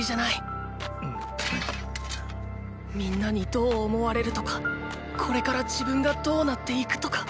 心の声皆にどう思われるとかこれから自分がどうなっていくとか。